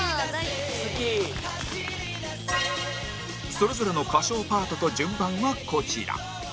それぞれの歌唱パートと順番はこちら